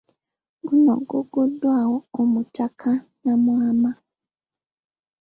Guno guguddwawo Omutaka Namwama.